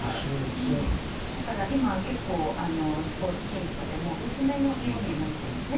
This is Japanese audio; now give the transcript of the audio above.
だから今、結構スポーツシーンとかでも薄めの色になってきていますね。